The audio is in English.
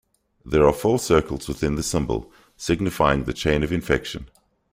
There are four circles within the symbol, signifying the chain of infection.